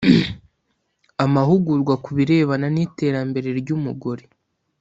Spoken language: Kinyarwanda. Amahugurwa kubirebana n’ iterambere ry’umugore